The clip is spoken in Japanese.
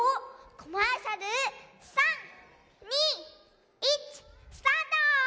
コマーシャル３２１スタート！